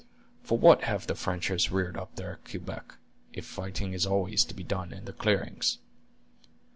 For what have the Frenchers reared up their Quebec, if fighting is always to be done in the clearings?"